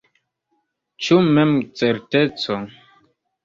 Ĉu memcerteco?